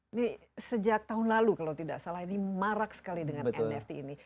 ini sejak tahun lalu kalau tidak salah ini marak sekali dengan nft ini